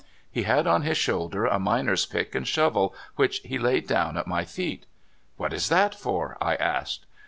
He had on his shoulder a miner's pick and shovel, which he laid down at my feet. " What is that for? " I asked.